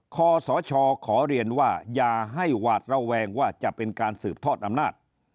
คอสชขอเรียนว่าอย่าให้หวาดระแวงว่าจะเป็นการสืบทอดอำนาจ